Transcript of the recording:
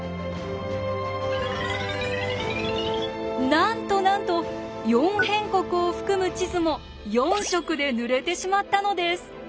なんとなんと「四辺国」を含む地図も４色で塗れてしまったのです！